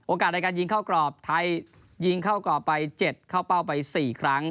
ในการยิงเข้ากรอบไทยยิงเข้ากรอบไป๗เข้าเป้าไป๔ครั้ง